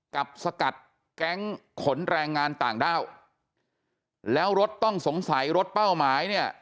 กับสกัดแก๊งขนแรงงานต่างด้าวแล้วรถต้องสงสัยรถเป้าหมายเนี่ย